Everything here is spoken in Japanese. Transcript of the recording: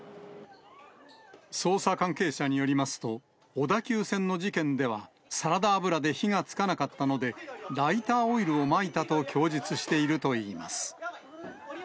捜査関係者によりますと、小田急線の事件では、サラダ油で火がつかなかったので、ライターオイルをまいたと供述しているといいます。